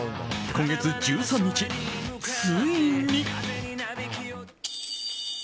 今月１３日、ついに。